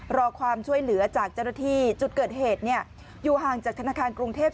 รอความช่วยเหลือจากเจ้าหน้าที่จุดเกิดเหตุอยู่ห่างจากธนาคารกรุงเทพ